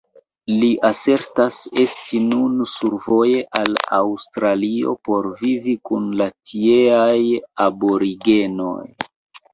Li asertas esti nun survoje al Aŭstralio por vivi kun la tieaj aborigenoj.